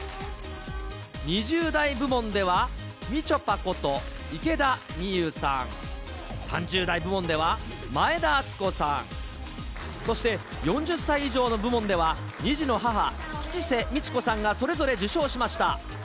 ２０代部門では、みちょぱこと、池田美優さん、３０代部門では、前田敦子さん、そして４０歳以上の部門では、２児の母、吉瀬美智子さんが、それぞれ受賞しました。